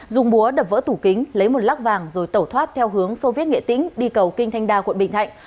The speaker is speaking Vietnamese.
dùng búa đập vỡ tủ kính lấy một lắc vàng rồi tẩu thoát theo hướng sô viết nghệ tính đi cầu kinh thanh đa quận bình thạnh